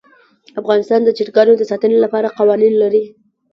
افغانستان د چرګانو د ساتنې لپاره قوانین لري.